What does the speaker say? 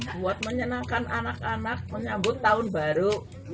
buat menyenangkan anak anak menyambut tahun baru